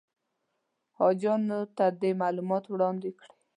حاجیانو ته دې معلومات وړاندې کړي.